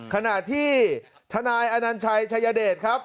ขณะที่ทนายอนัญชัยชายเดชครับ